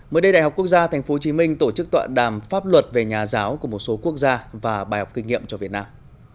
mới đây đại học quốc gia tp hcm tổ chức tọa đàm pháp luật về nhà giáo của một số quốc gia và bài học kinh nghiệm cho việt nam